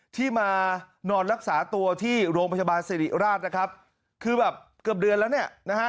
ที่มานอนรักษาตัวที่โรงพยาบาลสิริราชนะครับคือแบบเกือบเดือนแล้วเนี่ยนะฮะ